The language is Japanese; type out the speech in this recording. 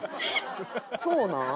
そうなん？